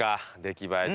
出来栄え。